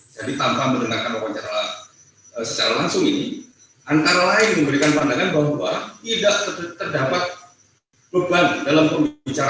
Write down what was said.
jadi tanpa mendengarkan wawancara secara langsung ini antara lain memberikan pandangan bahwa tidak terdapat beban dalam pembicaraan oleh penbicara